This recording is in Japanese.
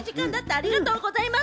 ありがとうございます！